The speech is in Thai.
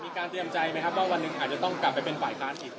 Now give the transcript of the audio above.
เตรียมใจไหมครับว่าวันหนึ่งอาจจะต้องกลับไปเป็นฝ่ายค้านอีก